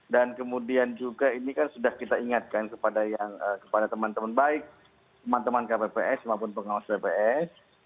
dan kemudian juga ini kan sudah kita ingatkan kepada teman teman baik teman teman kpps maupun pengawas tps